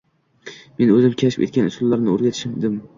Men o‘zim kashf etgan usullarni o‘rgatishim